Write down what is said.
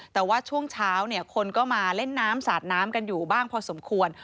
แต่ว่าช่วงเช้าเนี่ยคนก็มาเล่นน้ำสาดน้ำกันอยู่บ้างพอสมควร